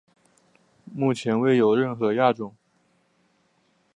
目前未有任何亚种。